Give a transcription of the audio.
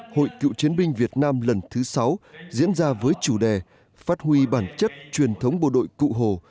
hội cựu chiến binh việt nam lần thứ sáu diễn ra với chủ đề phát huy bản chất truyền thống bộ đội cụ hồ